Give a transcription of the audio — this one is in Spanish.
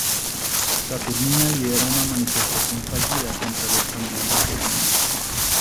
Saturnina lidera una manifestación fallida contra los camioneros de la mina.